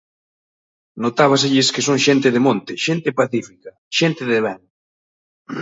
Notábaselles que son xente de monte, xente pacífica, xente de ben.